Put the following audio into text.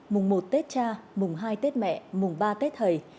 mùng một tết cha mùng hai tết mẹ mùng ba tết thầy